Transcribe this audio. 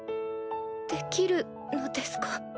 できるのですか？